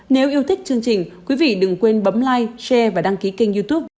nếu yêu thích chương trình quý vị đừng quên bấm like share và đăng ký kênh youtube